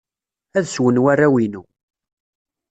Ad swen warraw-inu.